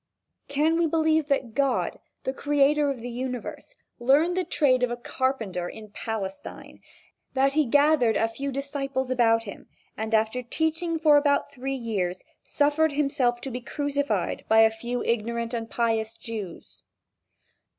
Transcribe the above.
Can we believe that God, the creator of the Universe, learned the trade of a carpenter in Palestine, that he gathered a few disciples about him, and after teaching for about three years, suffered himself to be crucified by a few ignorant and pious Jews?